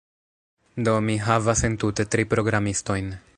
Do, mi havas entute tri programistojn